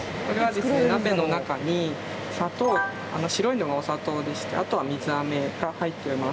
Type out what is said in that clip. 鍋の中に砂糖白いのがお砂糖でしてあとは水あめが入っております。